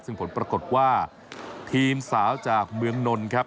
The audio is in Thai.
ซึ่งผลปรากฏว่าทีมสาวจากเมืองนนท์ครับ